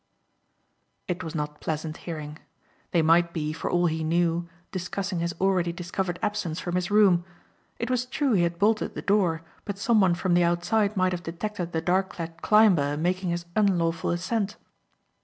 It was not pleasant hearing. They might be, for all he knew, discussing his already discovered absence from his room. It was true he had bolted the door but someone from the outside might have detected the dark clad climber making his unlawful ascent.